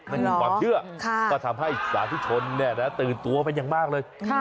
เป็นความเชื่อก็ทำให้สาธิตชนตื่นตัวไปอย่างมากเลย